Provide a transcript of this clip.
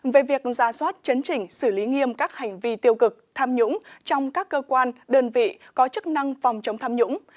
về việc ra soát chấn chỉnh xử lý nghiêm các hành vi tiêu cực tham nhũng trong các cơ quan đơn vị có chức năng phòng chống tham nhũng